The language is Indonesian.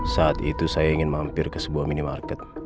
saat itu saya ingin mampir ke sebuah minimarket